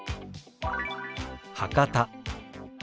「博多」。